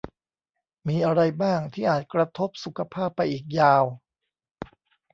มีอะไรบ้างที่อาจกระทบสุขภาพไปอีกยาว